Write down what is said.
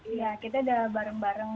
iya kita udah bareng bareng